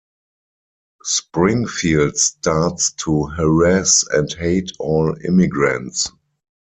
Springfield starts to harass and hate all immigrants.